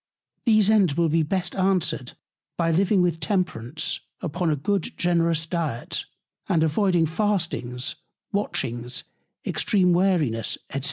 These Ends will be best answered by living with Temperance upon a good generous Diet, and avoiding Fastings, Watchings, extreme Weariness, &c.